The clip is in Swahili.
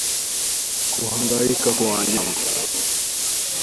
Kuhangaika kwa wanyama